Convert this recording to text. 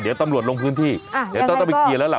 เดี๋ยวตำรวจลงพื้นที่เดี๋ยวต้องไปเคลียร์แล้วล่ะ